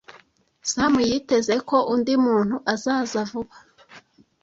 Sam yiteze ko undi muntu azaza vuba.